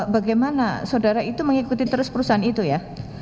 bagaimana saudara itu mengikuti terus perusahaan itu ya